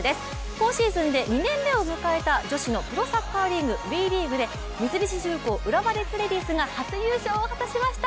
今シーズンで２年目を迎えた女子のプロサッカーリーグ、ＷＥリーグで三菱重工浦和レッズレディースが初優勝を果たしました。